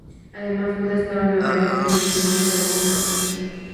Además, Buda estaba en Nueva York en el momento del atentado.